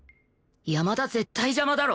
山田絶対邪魔だろ